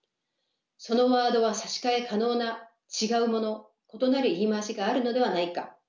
そのワードは差し替え可能な違うもの異なる言い回しがあるのではないか？